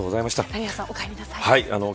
谷原さん、お帰りなさい。